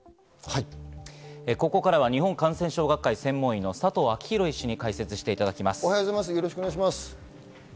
ここからは日本感染症学会専門医の佐藤昭裕医師に解説していただきます。